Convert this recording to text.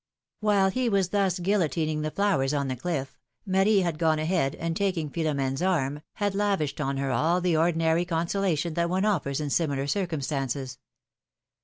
While he was thus guillotining the flowers on the cliff, Marie had gone ahead, and, taking Philora^ne's arm, had lavished on her all the ordinary consolation that one offers in similar circumstances.